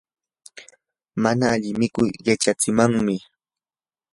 mana alli mikuy qichatsimanmi.